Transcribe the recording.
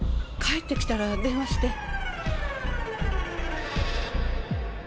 帰って来たら電話して。